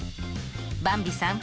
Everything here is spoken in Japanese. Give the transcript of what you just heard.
ばんびさん。